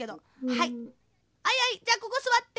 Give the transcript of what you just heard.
はい「はいはいじゃあここすわってきみ！